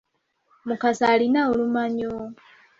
Mukasa alina olumanyo.